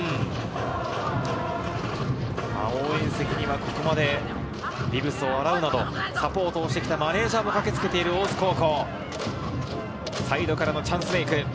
応援席には、ここまでビブスを洗うなどサポートをしてきたマネジャーも駆けつけている大津高校。